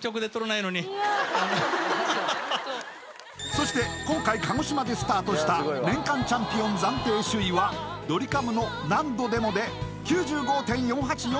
そして今回鹿児島でスタートした年間チャンピオン暫定首位はドリカムの「何度でも」で９５．４８４